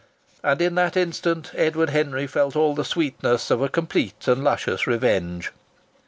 And in that instant Edward Henry felt all the sweetness of a complete and luscious revenge.